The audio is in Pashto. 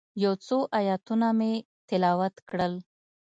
یو څو آیتونه مې تلاوت کړل.